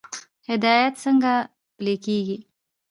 هدایت څنګه پلی کیږي؟